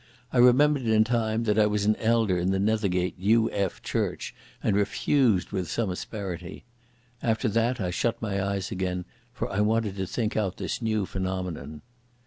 I remembered in time that I was an elder in the Nethergate U.F. Church and refused with some asperity. After that I shut my eyes again, for I wanted to think out this new phenomenon.